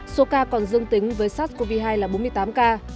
số ca còn dương tính với sars cov hai là bốn mươi tám ca